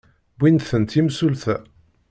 Wwin-tent yimsulta.